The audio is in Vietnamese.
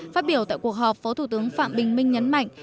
phát biểu tại cuộc họp phó thủ tướng phạm bình minh nhấn mạnh